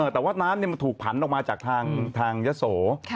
แต่ว่าน้ำมันถูกผันออกมาจากทางยะโส